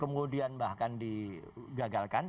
kemudian bahkan digagalkan